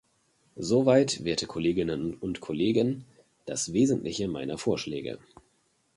Soweit, werte Kolleginnen und Kollegen, das Wesentliche meiner Vorschläge.